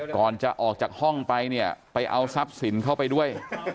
ก่อนจะออกจากห้องไปเนี่ยไปเอาทรัพย์สินเข้าไปด้วย